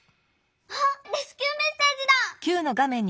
はっレスキューメッセージだ！